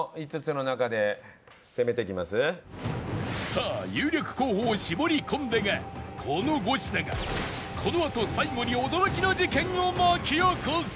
さあ有力候補を絞り込んだがこの５品がこのあと最後に驚きの事件を巻き起こす！